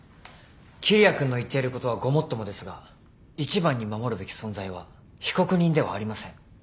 桐矢君の言っていることはごもっともですが一番に守るべき存在は被告人ではありません。